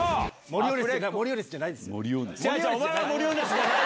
モリオネスじゃないです。